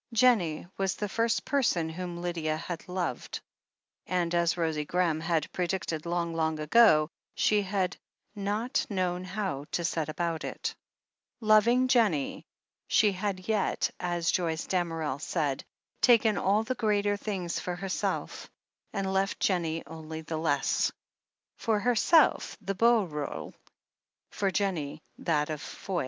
Jennie was the first person whom Lydia had loved, and as Rosie Graham had predicted long, long ago, she had "not known how to set about it." THE HEEL OF ACHILLES 423 Loving Jennie, she had yet, as Joyce Damerel said, taken all the greater things for herself, and left Jennie only the less. For herself, the beau role, for Jennie that of foil.